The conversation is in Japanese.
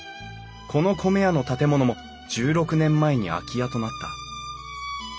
この米屋の建物も１６年前に空き家となった。